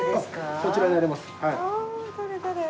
こちらになります。